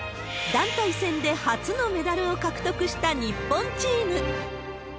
団体戦で初のメダルを獲得した日本チーム。